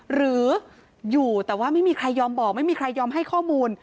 หรืออยู่แต่ว่าไม่มีใครยอมบอกไม่มีใครยอมให้ข้อมูล